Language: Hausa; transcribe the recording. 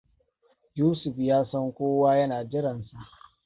Yusuf yasan kowa yana jiran sa.